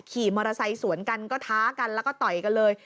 ขี่มอเตอร์ไซค์สวนกันก็ท้ากันแล้วก็ต่อยกันเลย